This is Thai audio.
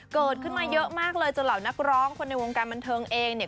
เกิดขึ้นมาเยอะมากเลยจนเหล่านักร้องคนในวงการบันเทิงเองเนี่ย